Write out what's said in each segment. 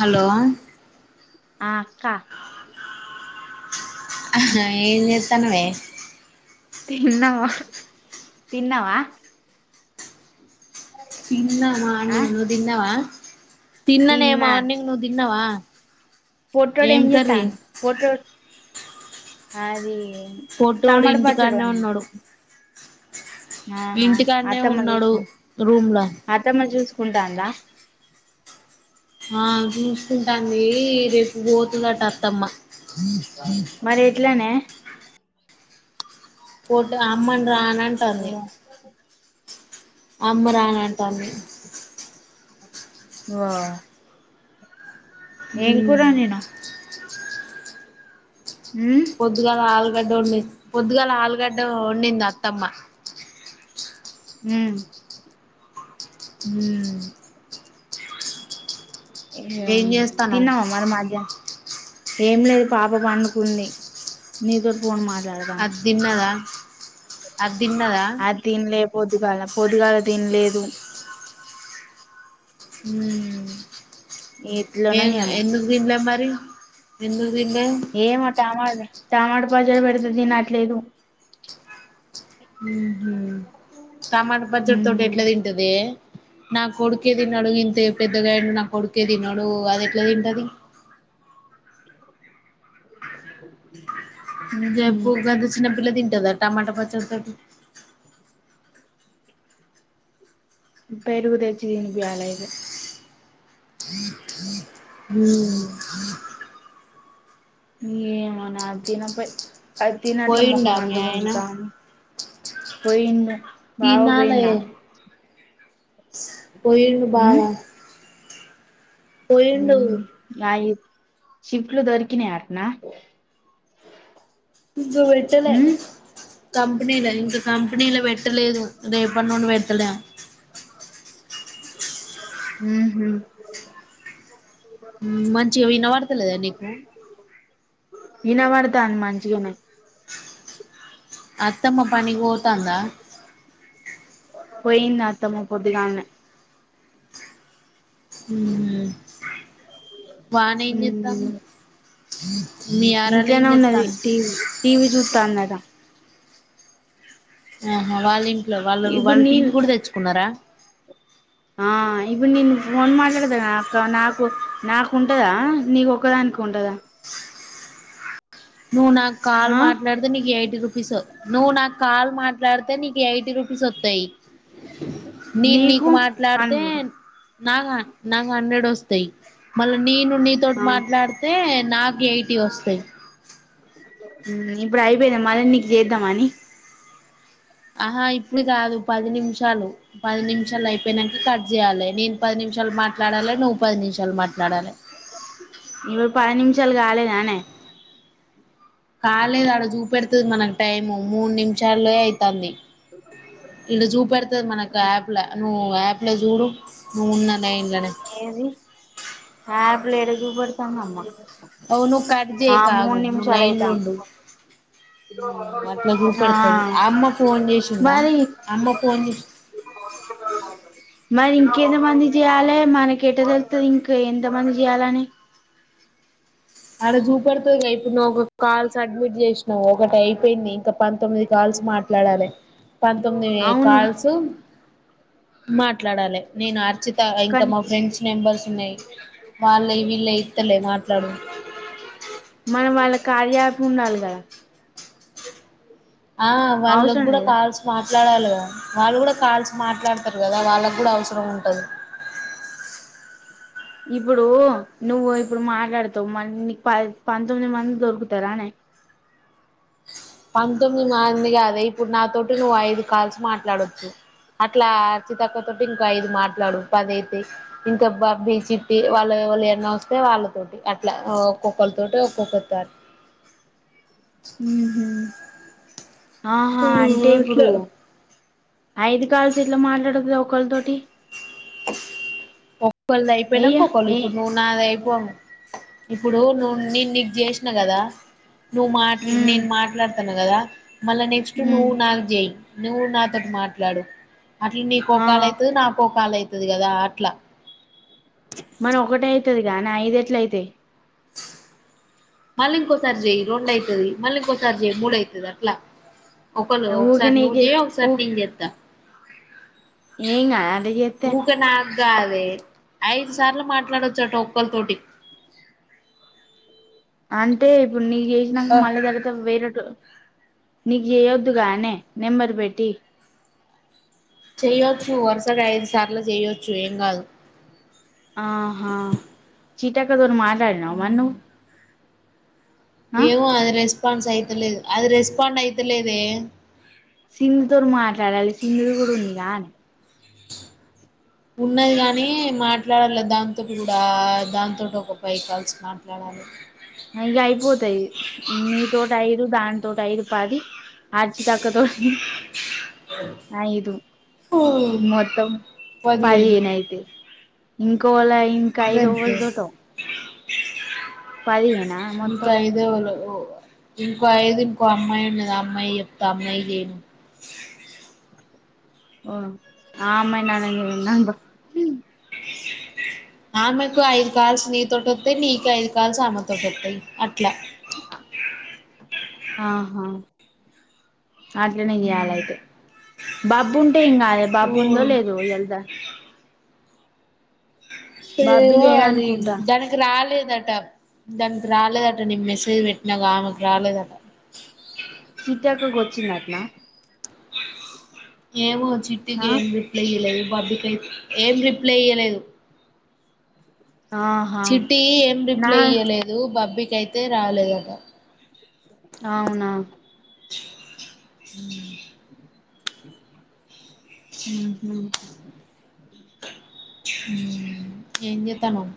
Hello ఆ అక్క ఆహ్ ఎమ్ జేత్తనవే తిన్నవా తిన్న ఆ మార్నింగ్ నువ్ దిన్నవా తిన్నానే తిన్నా మార్నింగ్ నువ్వు తిన్నావా పొట్టోడు ఏం కర్రీ చేత్తాండు పొట్టోడు అది పొట్టోడు టమాట ఇంటి పచ్చడి కానే వండినా ఉన్నాడు. ఆహా ఇంటికాడనే అత్తమ్మ ఉన్నాడు చూస్కో రూమ్ ల అత్తమ్మ చూస్ ఉంటాందా ఆ చూస్కుంటాంది రేపు పో తదట అతమ్మ మరి ఎట్లనే పో అమ్మన్ రా అనంటాంది. అమ్మ రాన్ అంటాంది. ఆ హ్మ్ ఉమ్ పొద్దుగాల ఆలు గడ్డ ఒండి పొద్దుగాల ఆలుగడ్డ వొండింది అత్తమ్మ హ్మ్ మ్ ఏం చేస్తాన్నవ్ తిన్నవా మరి మధ్యా ఏం లేదు. పాప పండుకుంది నీతోట్ పోన్ మా అద్ తిన్నదా అద్ తిన్నదా అది తినలే పొద్దుగాల పొద్దుగాల తిన్లేదు. హ్మ్ ఏ ఎట్లనో ఏమో ఎందుకు తిన్లే మర్ రి ఎందుక్ ఏమో టమాట టమాట పచ్చడ పెడితే తినట్లేదు. మ్ హ్ టమాట పచ్చడి తోటి హ్మ్ ఎట్ల తింటదే నా కొడుకే తినడు ఇంత పెద్దగయ్యిండు. కొడుకే తినడు అద్ ఎట్ల తింటది. ఉహు జెప్పు గంత చిన్నపిల్ల తింటదా టమాట పచ్చడ్ తోటి పెరుగు తెచ్చి తిన్పియ్యాలె ఇగ హ్ నీ ఏమో నా తినపొయి అద్ తినట్ల పోయిండా మొఖం మీ అంతా ఆయన గుంజుతాం పోయిండు బావ పోయిండా హా పోయిండు బావ పోయిండు ఉమ్ నాయి షిప్లుదొరికినయాట్నా [inaudible] ఇంక పెట్టలే కంపెనీల ఇంక కంపెనీల పెట్ ట్టలేదు రేపనుండి పేడ్తడేమో ఉహు మ్ మంచిగా వినపడ్తలేదా నీకు ఇనావడ్తంది మాంచిగనే అత్తమ్మ పనీక్పోతాందా పోయింది అత్తమ్మ పోద్దుగాల్నే ఊమ్ వానెం జేతంది మీ యారాలెం జేతాంది త్త న్నద ఆహా వాలింట్ వాళ్ళగు ఇప్పుడు వాళ్ టీవీ నేను గుడా తెచ్చుకున్నర ఆ ఇప్పుడు నేను ఫోన్ మాట్లడ్త గదా అక్క నాకు నాకుంటదా నీకు ఒక్కదానికె ఉంటదా నువు నాక్ కాల్ ఆ మాట్లాడితే నీ ఎయిటీ రుప్ సు నువ్వు నాకు కాల్ మాట్లాడ్తే నీకు ఎయిటీ రుపీస్ ఒత్తయ్ నేను నీకు మాట్లాడ్తే అన్నాడు నాక నాకు హండ్రెడ్ ఒస్తాయి మళ్ళ నేను నీతోటి ఆ మాట్లాడ్తే నా ఎయిటి ఒస్తయ్ ఉమ్ ఇప్పుడు ఐపోయిందా మళీ నీకు జేద్దాం అని ఆహా ఇప్పుడు గాదు పది నిమిషాలు పది నిమిషాలు ఐపోయినాక కట్ చేయాలి నేను పది నిమిషాలు మాట్లాడాలె నువ్వు పది నిమిషాలు మాట్లాడాలే ఇవి పది నిమిషాలు కాలేదనే కాలేదు అడ జుపెడ్తది మనక్ టైము మూడు నిమిషాలె ఐతంది ఇల్ల జుపెడ్తది మనకు యాప్ల నువ్వు యాప్ల జూడు ఊన్నలైన్లనే ల ఎడ జుపెడ్తంది అమ్మ ఒ నువ్వు కట్ జేయికు ఆగు నువ్వు అయితాంది లైన్లుండు అట్లా ఆ చూపెడ్తది ఆ అమ్మ ఫోన్ జేశిందా మరి అమ్మ ఫోన్ జేసి మరి ఇంకెంత మంది జేయాలె మనకెట్ట తెల్తది ఇంక ఎంత మంది జేయాలని అడ జుపెడ్తదిగా ఇప్పుడు నువ్వు ఒక కాల్స్ సడ్మిట్ చేసినావు ఒకటి ఐపోయింది ఇంక పంతొమ్మిది కాల్స్ మాట్లాడాలే పంతొమ్మిది అవును కాల్సు మాట్లాడాలె నేను అర్చిత ఇంక కానీ మా ఫ్రెండ్స్ నెంబర్స్ ఉన్నాయి వాళ్ళయ్ వీళ్ళేయ్ ఇత్తలే మాట్లాడు మనం వాళ్ళ కార్యా యాప్ ఉండాలే గదా ఆ అవసరం వాళ్ళగుడా లేదా కాల్స్ మా ట్లాడాలగ వాళ్ళు కూడా కాల్స్ మాట్లాడు తర్ కదా వాళ్ళకి కూడా అవసరం ఉంటది ఇప్పుడు నువ్వు ఇప్పుడు మాట్లాడుతావు మ నీకు ప పంతొమ్మిది మంది దొరుకుతారా అనే పంతొమ్మిది మంది కాదే ఇప్పుడు నాతోటి నువ్వు ఐదు కాల్స్ మాట్లాడొచ్చు అట్లా అ చితక్క తటి ఇంకా ఐదు మాట్లాడు పదయితే ఇంకా బాబ్బీ చిట్టి వాళ్ళు ఎన్న వస్తే వాళ్ళతోటి అట్లా ఒక్కొక్కరితోటి ఒక్కొక్కరితో ఉహు ఆహా అంటే ఇప్పుడు ఐదు కాల్స్ ఎట్లా మాట్లాడదు ఒకళ్ళతోటి ఓ ఒకల్ది ఏయ్య అయిపోయినాక ఒకళ్ళు ఏ ఇప్పుడు నువ్వు నాది అయి ఇప్పుడు నువ్ నీ నీకు చేసిన కదా నువ్వు మాట్ల ఉమ్ నేను మాట్లా కదా మళ్ళ నెక్స్ట్ నువ్వు ఉమ్ నాకి చేయ్ నువ్వు నాతోటి మాట్లాడు అట్లు నీకో ఆ కాల్ అయితది నాకో కాల్ అయి కదా ఆట్లా మరి ఒకటయి అది గానీ ఐదు ఎట్లయితయి మళ్ళీ ఇంకోసారి చెయ్ రెండు అయితది మళ్లింకోసార్ చేయ్ మూడు అయితది అట్లా ఒకరు ఊకే ఒకసారి నువ్వు నీకే చేయ ఊ ఒకసారి నే చేస్తా ఏం గాదా అట్ల చెత్తే ఊకే నాకు కాదే ఐదు సార్లు మాట్లాడొచ్చు అట ఒక్కళతోటి అంటే ఇప్పుడు నీకి చేేసినాక మాల్ దానితో వేరో టు నీకు చేయొద్దుగానే నెంబరు పెట్టి చేయొచ్చు వరుసగా ఐదు సార్లు చేయొచ్చు ఏం కాదు ఆహా చి చెక్కరు ఓరు మార్ కద్న మన్ను ఏమో అది రే రెస్పాన్స్ అయితలేదు అది రెస్పాండ్ అయితలేదే సింధుతోోరు మాట్లాడాలి సింధు కూడా ఉంది కా అని ఉన్నది కాని మాట్లాడాలి దాంతోటి కూడా దాంతోటి ఒక ఫైవ్ కాల్స్ మాట్లాడాలి అయ్యా అయిపోతాయి నీ తోటి అయిదు దాని తోటి ఐదు పాది అడ్చితక్కతో ఐదు మొత్తం పదిహేను అయితయి ఇంకోలై ఇంక ఐదు ఓవల్తోటో ఇంక ఐదు ఏవలోరో ఇంకో ఐదు ఇంకో అమ్మాయి ఉన్నది ఆ అమ్మాయికి చెప్తా అమ్మాయికి చేయునువ్ హ్మ్ ఆ అమ్మాయి నానేనా నాన్ బర్ ఆమేకు ఐదు కాల్స్ నీతోటోత్తయి నీకు ఐదు కాల్స్ ఆమే తోటత్తయి అట్లా ఆహా అట్లనే చేయాల అయితే బబ్బూ ఉంటే ఏం కాదే బబ్బుందో లేదో ఇయల దాన్ బాబ్బి ఓ అది లేదనుకుంటా దనకి రాలేద్ దట దానికి రాలేదట నీక్ మెసేజ్ పెట్టినగ ఆమెకు రాలేదట చిట్టక్కకి వచ్చిందట్న ఏమో చిట్టికి ఏం రిప్లై ఇయలేదు బబ్బీ ఏం రిప్లై ఇయ్యలేదు ఆహా చిట్టి ఏం నా రిప్లై ఇయ్యలేదు బబ్బీ కయితే రాలేదట అవునా ఉహు ఎంజేతనవ్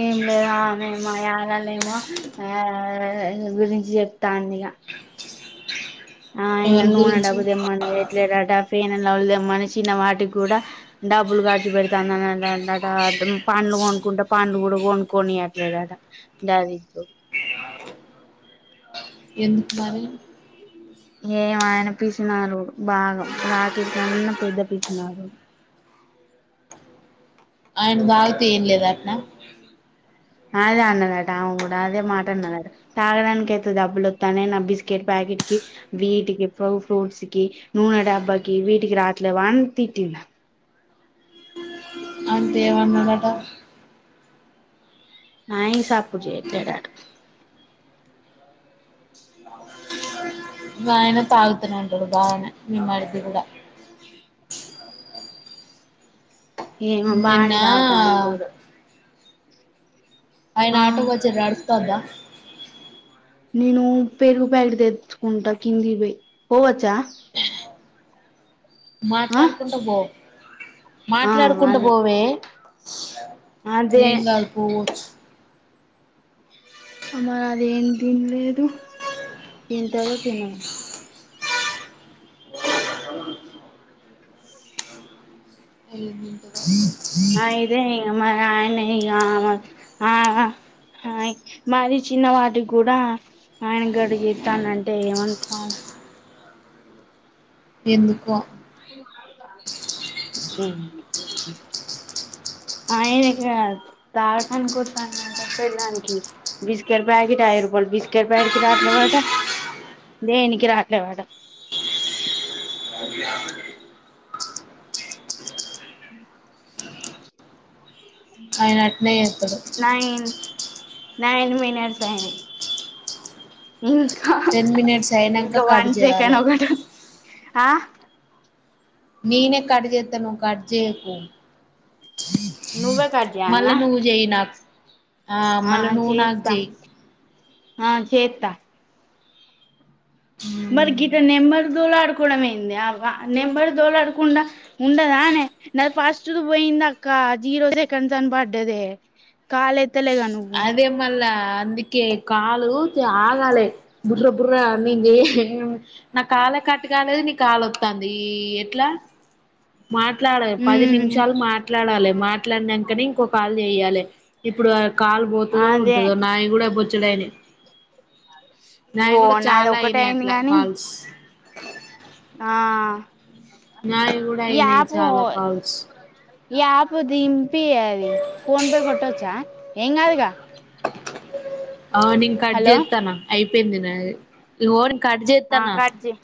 ఏం లేదు ఆమే మా యారాలు ఏమో ఆ హ్ గురించి చెప్తాంది ఇగ ఆయిన ఎవరి నూనె గురించి డబ్బ తిమ్మన్న తేట్లేడటా ఫెయిరెన్లవ్లీతిమ్మన్న చిన్న వాటికి కూడా డబ్బులు ఖర్చు పెడుతందిని అంటాండట పండ్లు కొనుకుంటే పండ్లు కూడా కొనుక్కొనియట్లేడట గది ఎందుకు మరి ఏం ఆయన పిసినారోడు బాగా రాకేష్ కన్నా పెద్ద పిసినారోడు ఆయన తాగుతే ఏం లేదు అటన అదే అన్నదట ఆమె కూడా అదే మాట అన్నదట తాగడానికి అయితే డబ్బులు ఒత్తనాయి నా బిస్కెట్ ప్యాకెట్ కి వీటికి ఫ్రూట్స్ కి నూనె డబ్బకి వీటికి రాట్లేవా అని తిట్టింద అంటే ఏమన్నడట నాయి సప్పుడు చేయలేడట వయనే తాగుతనంటడు బాగనే మీ మరిది కూడా ఏమో నిన్న బాగనే అనే తాగుతాండు బుడు ఆయన ఆటో మంచిగ నడుతందా నేను పెరుగు ప్యాకిట్ తెచ్చుకుంటా కింది పోయి పోవచ్చా ఆ మాట్లాడుకుంటా పో ఆ మాట్లాడుకుంటా అదే పోవే అదే ఏం కాదు పోవొచ్చు అమ్మా నాది ఏం తినలేదు దని తర్వా తినము అయిదే ఇ మరి ఆయన ఇ ఆ మరి చిన్నవాటికి కూడా ఆయన గడ చెస్తానంటే ఏమనుకోవాలి ఎందుకో ఆయనక తాగటానికిస్తాట పల్లానికి బిస్కెట్ ప్యాకెట్ అయ్య రూపాయలు బిస్కెట్ ప్యాకకి రాట్లేవాట దేనికి రాట్లేవాట ఆయన అట్నే ఎస్తడు నైన్ నైన్ మినిట్స్ అయిన టెన్ మినిట్స్ అయినాక కట్ సెకండ్ చేయాలి ఒకటి ఆ నేనే కట్ చేతను కట్ చేయకు నువ్వే కట్ మల చేయాల్నా ను జై నాకు ఆ మల నుూ నాగ జై ఆ చేత మరి మ్మ్ గిత నెంమరు దోలా ఆడుకోవడంమయింది నెంమరు దోలా ఆడకుండా ఉండదానే నాది ఫస్ట్ పోయింది అక్క జీరో సెకండ్స్ అని పడ్డదే కాల్ ఎత్తలే కను అదే మళ్ళ అందుకే కాలు ఆగాలి బుర్ర బుర్రా నం నా కాల్ కట్ కాలేదు నీ కాలుొస్తుంది ఎట్లా మాట్లాడాలి పది ఉమ్ నిమిషాలు మాట్లాడాలి మాట్లాడినాకని ఇంకొక చేయాలి ఇప్పుడు కాలు పోతుందో అదే ఉంటదో నా కూడా చడనే నాయ ఓ కూడా నాది చాలా ఒకటే అయినాయి అయింది అట్లా గాని కాల్స్ ఆ నాది కూడా ఈ అయిన యాప్ చాలా కాల్స్ ఈ ఆప్ దింపి అది ఫోన్ పే కొట్టవచ్చా ఎం కదుగా ఆ నింగ్ కట్ చేస్తాయి పందినాోన్ కట్ ఆ చేస్తున్న కట్ చెయ్